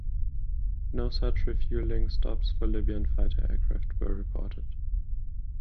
No such refueling stops for Libyan fighter aircraft were reported.